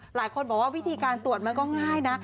หลายคนบอกว่าวิธีการตรวจมันก็ง่ายนะ